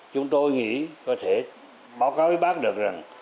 chúng tôi nghĩ có thể báo cáo với bác được rằng